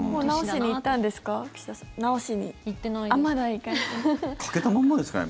治しに行ったんですか？